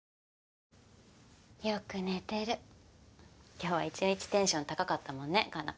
今日は一日テンション高かったもんね花奈。